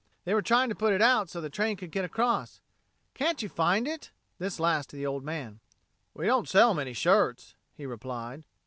They were trying to put it out so the train could get across. Can't you find it?" This last to the old man. "We don't sell many shirts," he answered.